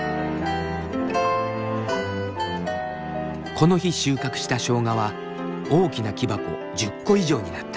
この日収穫したしょうがは大きな木箱１０個以上になった。